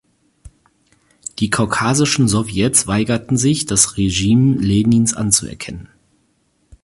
Die kaukasischen Sowjets weigerten sich, das Regime Lenins anzuerkennen.